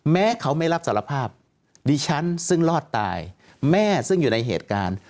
แม้เขาไม่รับสารภาพดิฉันซึ่งรอดตายแม่ซึ่งอยู่ในเหตุการณ์